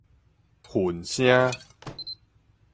混聲